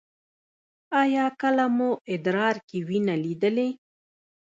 ایا کله مو ادرار کې وینه لیدلې؟